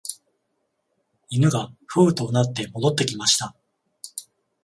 犬がふうと唸って戻ってきました